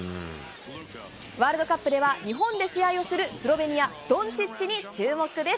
ワールドカップでは日本で試合をするスロベニア、ドンチッチに注目です。